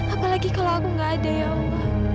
apalagi kalau aku gak ada ya allah